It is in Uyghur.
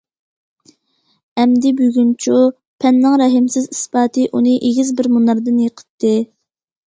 ئەمدى بۈگۈنچۇ؟ پەننىڭ رەھىمسىز ئىسپاتى ئۇنى ئېگىز بىر مۇناردىن يىقىتتى.